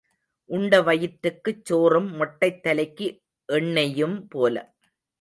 உண்ட வயிற்றுக்குச் சோறும் மொட்டைத் தலைக்கு எண்ணெயும் போல.